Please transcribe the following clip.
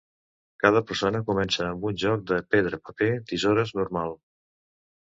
Cada persona comença amb un joc de pedra, paper, tisores normal.